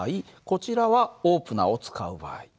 こちらはオープナーを使う場合。